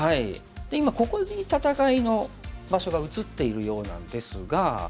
で今ここに戦いの場所が移っているようなんですが。